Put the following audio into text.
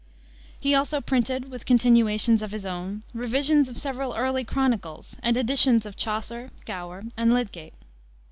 He also printed, with continuations of his own, revisions of several early chronicles, and editions of Chaucer, Gower, and Lydgate.